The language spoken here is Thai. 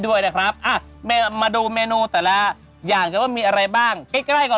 ด้วยนะครับอ่ะมาดูเมนูแต่ละอย่างกันว่ามีอะไรบ้างใกล้ใกล้ก่อน